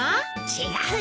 違うよ。